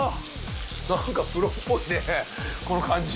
なんかプロっぽいねこの感じ